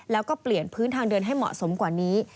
แล้วก็เปลี่ยนพื้นทางเดินให้เหมาะสมกว่านี้